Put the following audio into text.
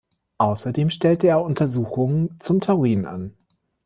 Außerdem stellte er Untersuchungen zum Taurin an.